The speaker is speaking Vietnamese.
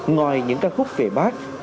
ngoài những ca khúc về bác